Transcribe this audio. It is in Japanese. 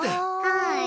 はい。